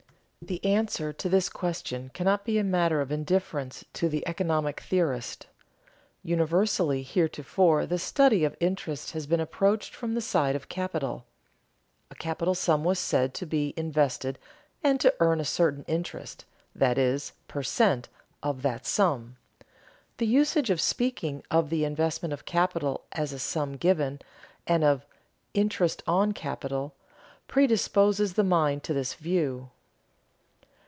The answer to this question cannot be a matter of indifference to the economic theorist. Universally heretofore the study of interest has been approached from the side of capital. A capital sum was said to be invested and to earn a certain interest, that is, per cent., of that sum. The usage of speaking of the investment of capital as a sum given, and of "interest on capital" predisposes the mind to this view.